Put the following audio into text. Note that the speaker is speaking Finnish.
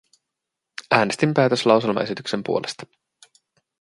Äänestin päätöslauselmaesityksen puolesta.